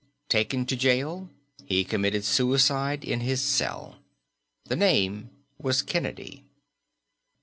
Taken to jail, he committed suicide in his cell. The name was Kennedy.